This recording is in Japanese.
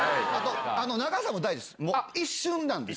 長さも大事です。